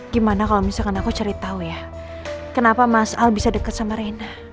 gimana kalau misalkan aku cari tahu ya kenapa mas al bisa dekat sama rena